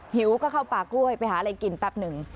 หิวก็เข้าป่ากล้วยไปหาอะไรกินแป๊บหนึ่ง